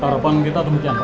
harapan kita seperti itu pak